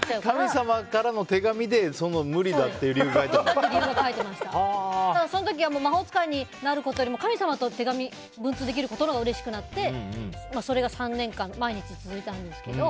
神様からの手紙で無理だという理由がその時は魔法使いになることよりも神様と文通できることのほうがうれしくなって、それが３年間毎日続いたんですけど。